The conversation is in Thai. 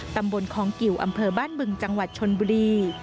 ตำบลคองกิวอำเภอบ้านบึงจังหวัดชนบุรี